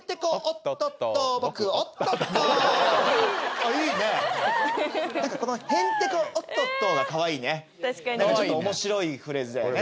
あっいいね何かこの「へんてこおっとっと」がかわいいね何かちょっと面白いフレーズだよね